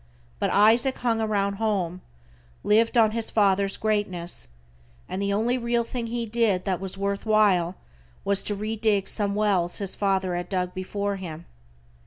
But Isaac hung around home, lived on his father's greatness, and the only real thing he did that was worth while was to re dig some wells his father had dug before him.